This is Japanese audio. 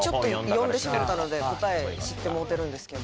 読んでしもうたので答え知ってもうてるんですけど。